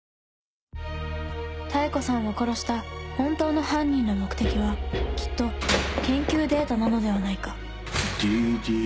妙子さんを殺した本当の犯人の目的はきっと研究データなのではないかＤＤＳη？